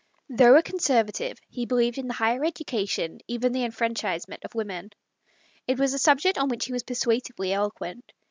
Though a Conservative, he believed in the higher education, even the enfranchisement, of women. It was a subject on which he was persuasively eloquent.